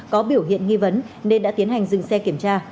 có biểu hiện nghi vấn nên đã tiến hành dừng xe kiểm tra